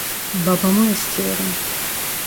Babamı istiyorum.